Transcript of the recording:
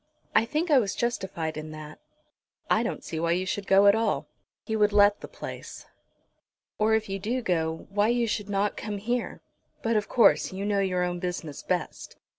I think I was justified in that." "I don't see why you should go at all." "He would let the place." "Or, if you do go, why you should not come here. But, of course, you know your own business best.